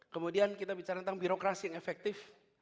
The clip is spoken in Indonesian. kemudian kita bicara tentang birokrasi yang efektif